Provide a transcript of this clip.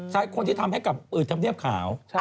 ใช้คนที่ทำให้กับอื่นธรรมดีขาว